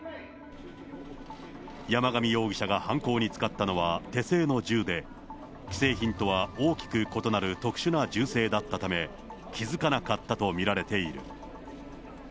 山上容疑者が犯行に使ったのは手製の銃で、既製品とは大きく異なる特殊な銃声だったため、気付かなかったと見られている。